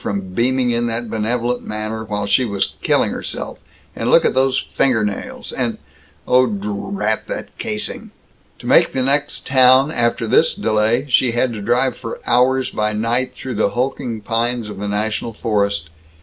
from beaming in that benevolent manner while she was killing herself; and look at those fingernails; and oh, drrrrrrat that casing! To make the next town, after this delay, she had to drive for hours by night through the hulking pines of the national forest.